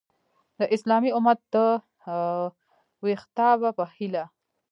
د اسلامي امت د ویښتابه په هیله!